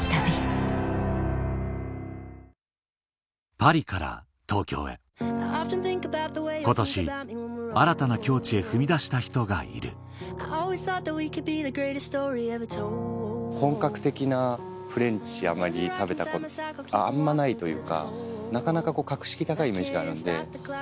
パリから東京へ今年新たな境地へ踏み出した人がいる本格的なフレンチ食べたことあんまないというかなかなか格式高いイメージがあるんで。